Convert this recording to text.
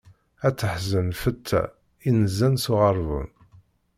Ad teḥzen lfeṭṭa inzan s uɛeṛbun.